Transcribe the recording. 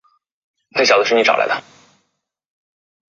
读国中时阿桑开始住在姨妈家。